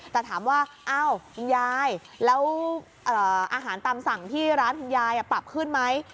แต่ถามว่าอ้าวคุณยายแล้วอาหารตามสั่งที่ร้านคุณยายปรับขึ้นไหม